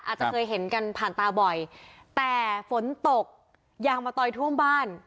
อาจจะเคยเห็นกันผ่านตาบ่อยแต่ฝนตกยางมะตอยท่วมบ้าน